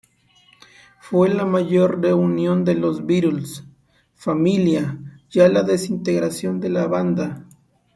Fue la mayor reunión de los Beatles "familia" ya la desintegración de la banda.